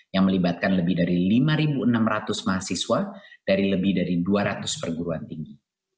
yang melibatkan lebih dari lima enam ratus mahasiswa dari lebih dari dua ratus perguruan tinggi